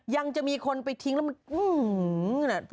ยังจะมีคนไปทิ้งแล้วมันอื้อหื้อหื้อหื้อ